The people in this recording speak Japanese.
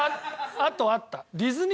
あとあった。